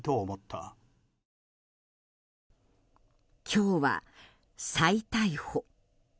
今日は再逮捕。